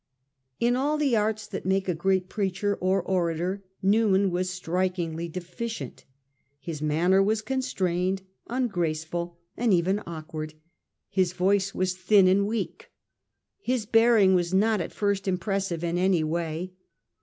In all the arts that make a great preacher or orator, Newman was strikingly deficient. His man ner was constrained, ungraceful and even awkward ; his voice was thin and weak. His bearing was not at first impressive in any way.